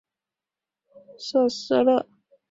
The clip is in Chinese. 滨海库尔瑟勒。